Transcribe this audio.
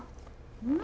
うん？